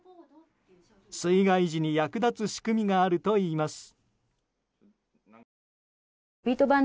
水害時に役立つ仕組みがあるといいます。